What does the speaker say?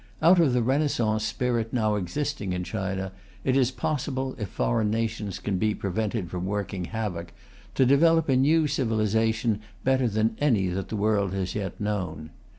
Out of the renaissance spirit now existing in China, it is possible, if foreign nations can be prevented from working havoc, to develop a new civilization better than any that the world has yet known.